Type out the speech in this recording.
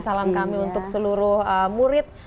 salam kami untuk seluruh murid